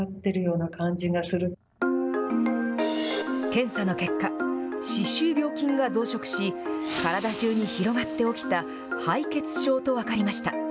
検査の結果、歯周病菌が増殖し、体中に広がって起きた、敗血症と分かりました。